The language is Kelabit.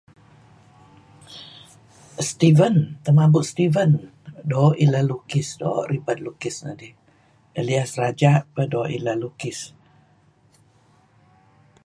Steven, Temabu' Steven doo' ileh lukis. Doo' ribed lukis nedih. Elias Raja' pah doo' ileh lukis.